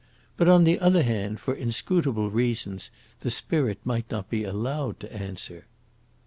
But on the other hand, for inscrutable reasons the spirit might not be allowed to answer."